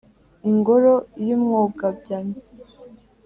ingoro y’ umwogabyano !